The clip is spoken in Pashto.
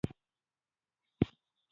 ستا په کوڅه کي له اغیار سره مي نه لګیږي